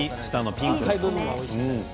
ピンクの部分ね。